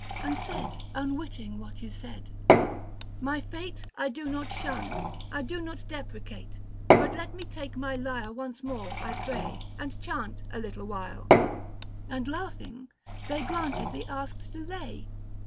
" And said, unwitting what you said, " My fate 1 do not shun, I do not deprecate ; But let me take my lyre once more, I pray, 95 And chant a little while ;" and, laughing, they Granted the asked delay.